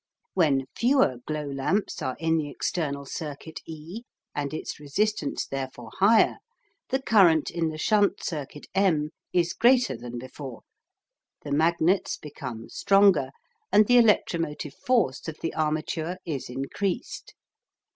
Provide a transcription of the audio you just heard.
When fewer glow lamps are in the external circuit E, and its resistance therefore higher, the current in the shunt circuit M is greater than before, the magnets become stronger, and the electromotive force of the armature is increased.